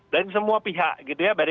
dari semua pihak gitu ya